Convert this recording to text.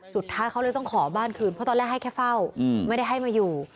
สุดท้ายเขาเลยต้องขอบ้านคืนเพราะตอนแรกให้แค่เฝ้าไม่ได้ให้มาอยู่